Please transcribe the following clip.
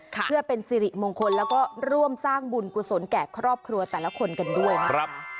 เพื่อเป็นสิริมงคลแล้วก็ร่วมสร้างบุญกุศลแก่ครอบครัวแต่ละคนกันด้วยนะครับ